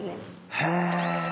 へえ！